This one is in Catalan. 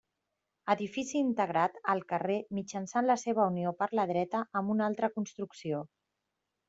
Edifici integrat al carrer mitjançant la seva unió per la dreta amb una altra construcció.